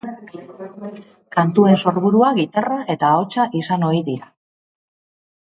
Kantuen sorburua gitarra eta ahotsa izan ohi dira.